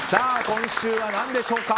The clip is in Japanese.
今週は何でしょうか。